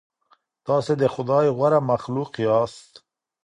تاسې د خدای غوره مخلوق یاست.